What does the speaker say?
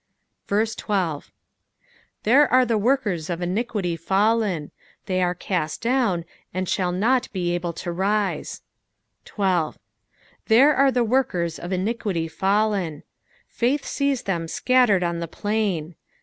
12 There are the workers of iniquity fallen : they are cast down, and shall not be able to rise, la. " Thwe an the worteri of iniquity fallen." Faith aees tliem scattered nn the plain.